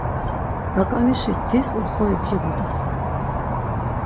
Raǩanişi tis oxori giğut̆asen.